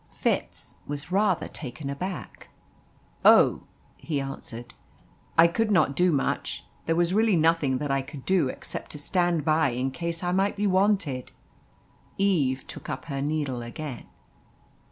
Fitz was rather taken aback. "Oh," he answered, "I could not do much. There was really nothing that I could do except to stand by in case I might be wanted." Eve took up her needle again.